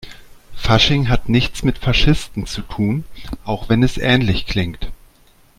Fasching hat nichts mit Faschisten zu tun, auch wenn es ähnlich klingt.